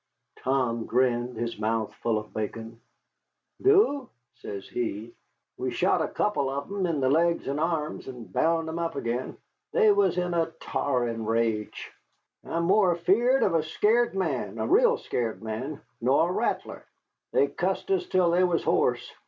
Tom grinned, his mouth full of bacon. "Do?" says he; "we shot a couple of 'em in the legs and arms, and bound 'em up again. They was in a t'arin' rage. I'm more afeard of a scar't man, a real scar't man nor a rattler. They cussed us till they was hoarse.